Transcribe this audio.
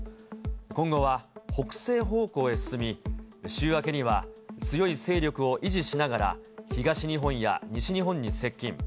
今後は北西方向へ進み、週明けには強い勢力を維持しながら、東日本や西日本に接近。